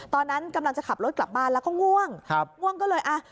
ตอนนั้นกำลังจะขับรถกลับบ้านแล้วก็ง่วงครับง่วงก็เลยอ่ะ